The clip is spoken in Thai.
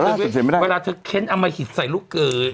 ล่าสุดเสร็จไม่ได้เวลาเธอเค้นอามหิตใส่ลูกเกอร์